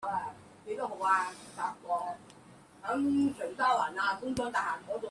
似乎沒有特別強調使用鮮奶